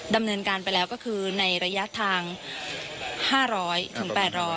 ดำเนินการไปแล้วก็คือในระยะทาง๕๐๐ถึง๘๐๐